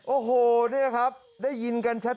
โอ้โหเนี่ยครับได้ยินกันชัด